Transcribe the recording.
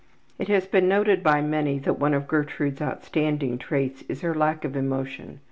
It has been noted by many that one of Gertrude's outstanding traits is her lack of emotion.